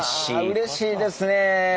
うれしいですね！